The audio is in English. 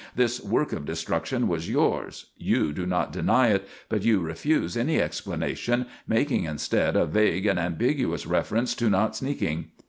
This work of destruction was yours. You do not deny it, but you refuse any explanation, making instead a vague and ambiguous reference to not sneaking.